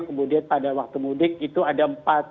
kemudian pada waktu mudik itu ada empat